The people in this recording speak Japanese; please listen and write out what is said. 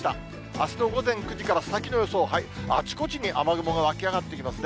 あすの午前９時から先の予想、あちこちに雨雲が湧き上がってきますね。